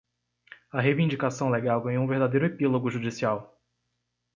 A reivindicação legal ganhou um verdadeiro epílogo judicial.